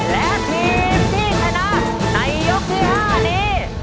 และทีมที่ชนะในยกที่๕นี้